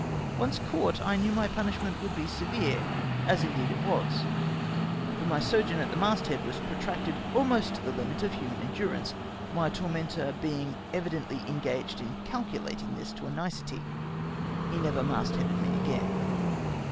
Once caught, I kncAv my punishment would be severe, as indeed it was, for my sojourn at the mast head was protracted almost to the limit of human endurance, my tormentor being evidently engaged in calculating this to a nicety. He never mast headed me again.